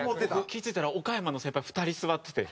気づいたら岡山の先輩２人座ってて。